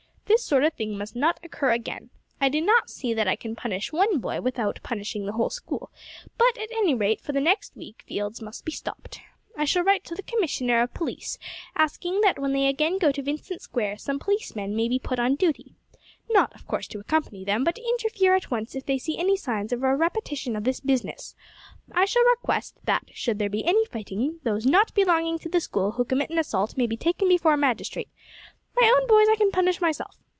This sort of thing must not occur again. I do not see that I can punish one boy without punishing the whole School; but, at any rate, for the next week fields must be stopped. I shall write to the Commissioner of Police, asking that when they again go to Vincent Square some policemen may be put on duty, not of course to accompany them, but to interfere at once if they see any signs of a repetition of this business. I shall request that, should there be any fighting, those not belonging to the School who commit an assault may be taken before a magistrate; my own boys I can punish myself.